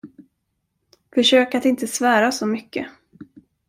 Försök att inte svära så mycket.